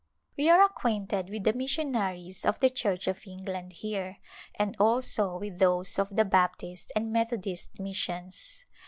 We are acquainted with the missionaries of the Church of England here and also with those of the Baptist and Methodist Missions.